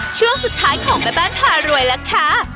ช่วงสุดท้ายของแม่บ้านพารวยแล้วค่ะ